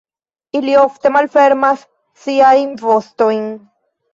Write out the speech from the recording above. Ili ofte malfermas siajn vostojn.